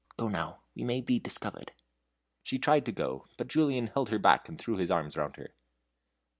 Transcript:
Go now we may be discovered." She tried to go, but Julian held her back and threw his arms round her.